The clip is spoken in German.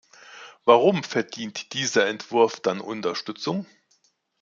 Warum verdient dieser Entwurf dann Unterstützung?